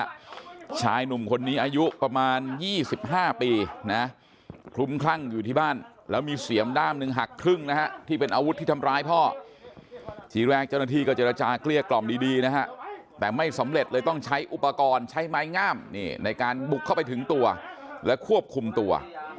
ชายหนุ่มคนนี้อายุประมาณ๒๕ปีนะคลุมคลั่งอยู่ที่บ้านแล้วมีเสียมด้ามหนึ่งหักครึ่งนะฮะที่เป็นอาวุธที่ทำร้ายพ่อทีแรกเจ้าหน้าที่ก็เจรจาเกลี้ยกล่อมดีนะฮะแต่ไม่สำเร็จเลยต้องใช้อุปกรณ์ใช้ไม้งามนี่ในการบุกเข้าไปถึงตัวและควบคุมตัว